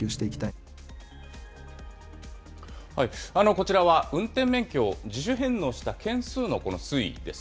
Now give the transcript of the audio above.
こちらは運転免許を自主返納した件数の推移です。